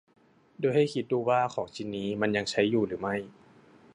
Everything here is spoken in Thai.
โดยให้คิดดูว่าของชิ้นนี้มันยังใช้อยู่หรือไม่